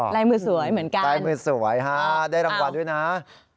ลายมือสวยเหมือนกันโอ้โหได้รางวัลด้วยนะคะ